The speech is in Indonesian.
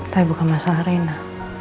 tapi bukan mas reina